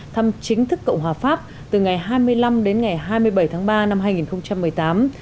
thăm chính thức cộng hòa pháp từ ngày hai mươi năm đến ngày hai mươi bảy tháng ba năm hai nghìn một mươi tám